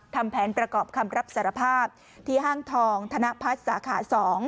ทำแผนประกอบคำรับสารภาพที่ห้างทองธนพัฒน์สาขา๒